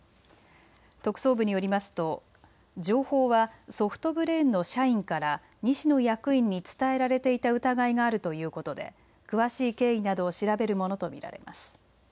特捜部によりますと情報はソフトブレーンの社員から西野役員に伝えられていた疑いがあるということで詳しい経緯などを調べるものと見られます。